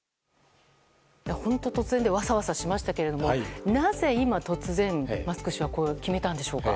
本当に突然でわさわさしましたけどなぜ今、突然マスク氏はこう決めたんでしょうか。